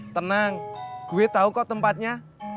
tenang gue tahu kok tempatnya